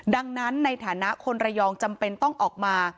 ดังนั้นในฐานะคนระยองจำเป็นต้องออกมา